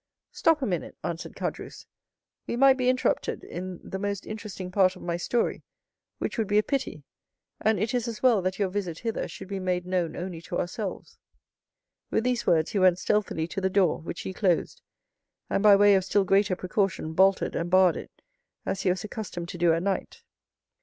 "Stop a minute," answered Caderousse; "we might be interrupted in the most interesting part of my story, which would be a pity; and it is as well that your visit hither should be made known only to ourselves." With these words he went stealthily to the door, which he closed, and, by way of still greater precaution, bolted and barred it, as he was accustomed to do at night.